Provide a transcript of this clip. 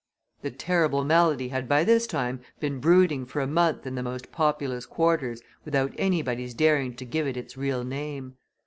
The terrible malady had by this time been brooding for a month in the most populous quarters without anybody's daring to give it its real name.